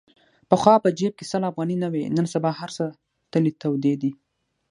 پخوا په جیب کې سل افغانۍ نه وې. نن سبا هرڅه تلې تودې دي.